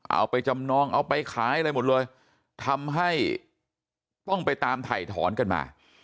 เอาไปจำนองเอาไปขายอะไรหมดเลยทำให้ต้องไปตามถ่ายถอนกันมา